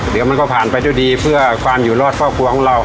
เดี๋ยวมันก็ผ่านไปด้วยดีเพื่อความอยู่รอดครอบครัวของเรา